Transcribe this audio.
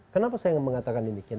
kenapa saya mengatakan demikian